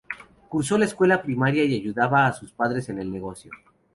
Cursó la escuela primaria y ayudaba a sus padres en el negocio.